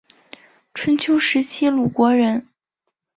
春秋时期鲁国人。